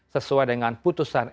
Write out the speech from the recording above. sesuai dengan putusan